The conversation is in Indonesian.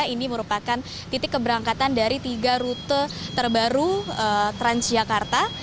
ini merupakan titik keberangkatan dari tiga rute terbaru transjakarta